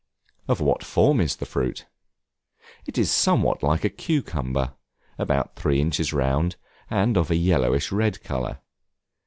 Of what form is the fruit? It is somewhat like a cucumber, about three inches round, and of a yellowish red color.